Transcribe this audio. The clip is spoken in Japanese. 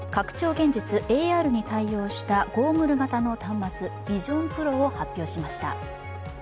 現実＝ＡＲに対応したゴーグル型の端末、ＶｉｓｉｏｎＰｒｏを発表しました。